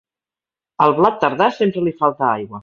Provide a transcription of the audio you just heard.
Al blat tardà sempre li falta aigua.